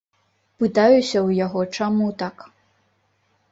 Пытаюся ў яго, чаму так.